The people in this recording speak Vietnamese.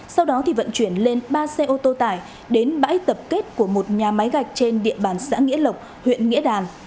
sau đó vận chuyển lên ba xe ô tô tải đến bãi tập kết của một nhà máy gạch trên địa bàn xã nghĩa lộc huyện nghĩa đàn